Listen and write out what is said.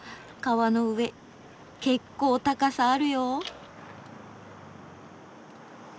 川の上結構高さあるよ。